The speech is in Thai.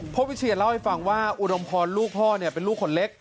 วิเชียนเล่าให้ฟังว่าอุดมพรลูกพ่อเป็นลูกคนเล็ก